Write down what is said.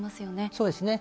そうですね。